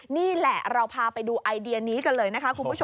นี่แหละเราพาไปดูไอเดียนี้กันเลยนะคะคุณผู้ชม